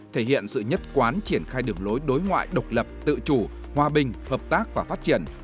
thể hiện sự nhất quán triển khai đường lối đối ngoại độc lập tự chủ hòa bình hợp tác và phát triển